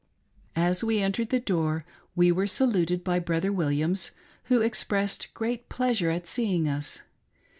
As we entered the door, we were saluted by Brother Williams, who expressed great pleasure at seeing us.